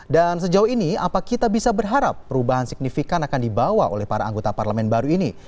dan sejauh ini apa kita bisa berharap perubahan signifikan akan dibawa oleh para anggota parlemen baru ini